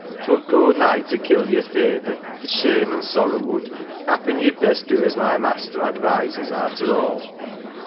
'T would go nigh to kill yer feyther, th' shame an' the sorrow would. Happen, ye'd best do as my master advises, arter all."